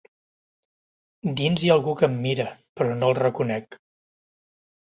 Dins hi ha algú que em mira, però no el reconec.